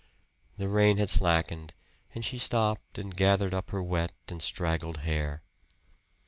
The rain had slackened and she stopped and gathered up her wet and straggled hair.